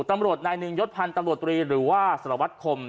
ตำรวจนายหนึ่งยศพันธ์ตำรวจตรีหรือว่าสารวัตรคม